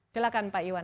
silahkan pak iwan